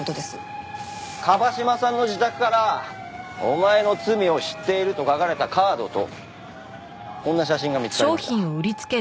椛島さんの自宅から「お前の罪を知っている」と書かれたカードとこんな写真が見つかりました。